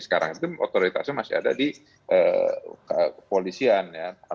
sekarang itu otoritasnya masih ada di kepolisian ya